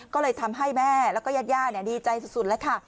ก็เลยทำให้แม่แล้วก็ญาติย่าดีใจสุดแล้วค่ะ